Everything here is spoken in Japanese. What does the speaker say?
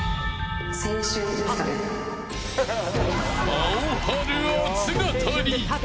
アオハル熱語り。